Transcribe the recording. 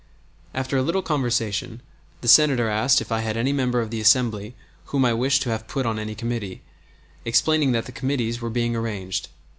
After a little conversation the Senator asked if I had any member of the Assembly whom I wished to have put on any committee, explaining that the committees were being arranged.